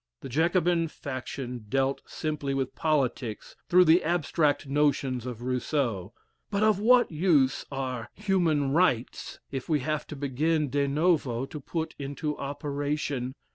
The Jacobin faction dealt simply with politics through the abstract notions of Rousseau: but of what use are "human rights" if we have to begin de novo to put into operation?